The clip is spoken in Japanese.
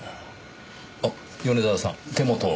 あっ米沢さん手元を。